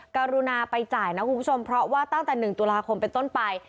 กรุณาไปจ่ายนะคุณผู้ชมเพราะว่าตั้งแต่๑ตุลาคมเป็นต้นไป